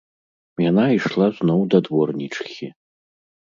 Яна ішла зноў да дворнічыхі.